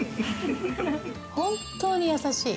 本当にやさしい。